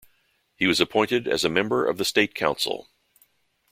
He was appointed as a member of the State Council.